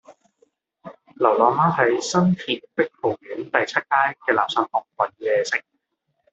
流浪貓喺新田碧豪苑第七街嘅垃圾桶搵野食